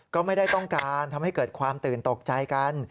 ก็ไม่ได้ต้องการทำให้เกิดความตื่นตกใจกัน